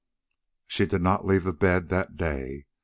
She did not leave the bed that day.